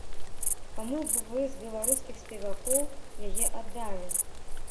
Каму б вы з беларускіх спевакоў яе аддалі?